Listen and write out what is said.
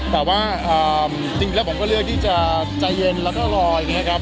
แต่ว่าจริงแล้วผมก็เลือกที่จะใจเย็นแล้วก็รออย่างนี้ครับ